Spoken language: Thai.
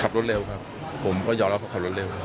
ขับรถเร็วครับผมก็ยอมรับว่าขับรถเร็ว